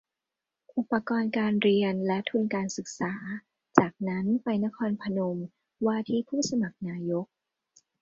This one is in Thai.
อุปกรณ์การเรียน และ ทุนการศึกษา จากนั้นไปนครพนม ว่าที่ผู้สมัครนายก